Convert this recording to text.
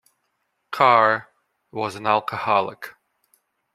Carr was an alcoholic.